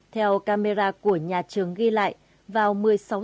theo camera của nhà trường ghi lại vào một mươi sáu giờ một mươi năm phút